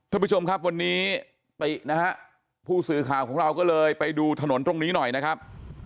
ท่านผู้ชมครับวันนี้ตินะฮะผู้สื่อข่าวของเราก็เลยไปดูถนนตรงนี้หน่อยนะครับ